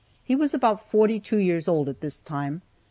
He was about forty two years old at this time.